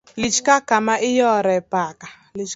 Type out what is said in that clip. Lich ka kama iroye paka